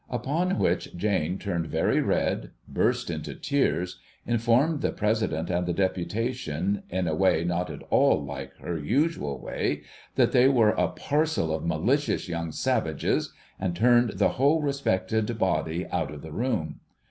Upon which Jane turned very red, burst into tears, informed the President and the deputation, in a way not at all like her usual way, that they were a parcel of malicious young savages, and turned the whole respected body out of the room.